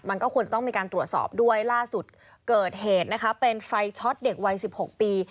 มันก็ควรจะต้องมีการตรวจสอบด้วยล่าสุดเกิดเหตุนะคะเป็นไฟช็อตเด็กวัย๑๖ปี